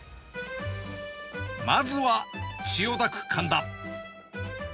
まずは、千代田区神田。